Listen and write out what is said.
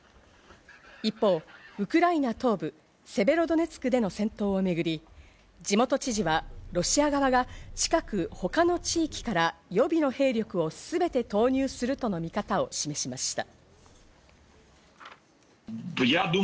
一方、ウクライナ東部セベロドネツクでの戦闘をめぐり、地元知事はロシア側が近く、他の地域から予備の兵力をすべて投入するとの見方を示しました。